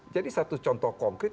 jadi satu contoh konkret